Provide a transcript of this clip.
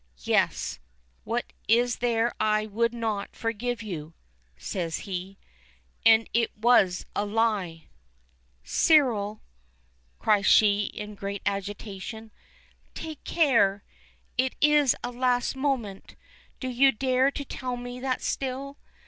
"Yes. What is there I would not forgive you?" says he. "And it was a lie!" "Cyril," cries she in great agitation, "take care! It is a last moment! Do you dare to tell me that still?